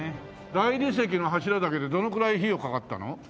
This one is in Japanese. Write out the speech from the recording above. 大理石の柱だけでどのくらい費用かかったの？